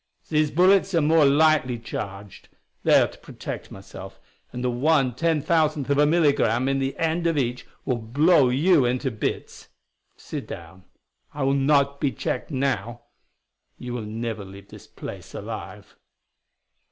"These bullets are more lightly charged they are to protect myself and the one ten thousandth of a milligram in the end of each will blow you into bits! Sit down. I will not be checked now. You will never leave this place alive!"